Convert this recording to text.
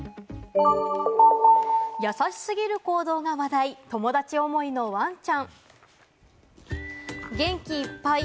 優しすぎる行動が話題、友達思いのワンちゃん。